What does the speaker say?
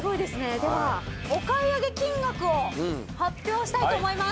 ではお買い上げ金額を発表したいと思います。